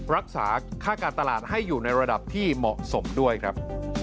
รักษาค่าการตลาดให้อยู่ในระดับที่เหมาะสมด้วยครับ